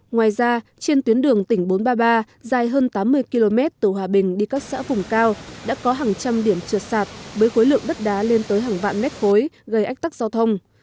ngoài ra trên tuyến đường tỉnh bốn trăm ba mươi ba dài hơn tám mươi km từ hòa bình đi các xã vùng cao đã có hàng trăm điểm trượt sạt với khối lượng đất đá lên tới hàng vạn mét khối gây ách tắc giao thông